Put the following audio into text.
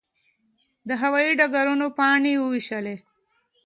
د هوايي ډګر کارکوونکي پاڼې وویشلې.